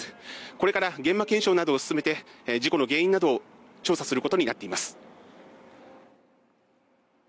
これから現場検証などを進めて事故の原因などを調査することになっています。